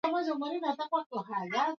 mkataba ulirasimiwa kwa mara ya kwanza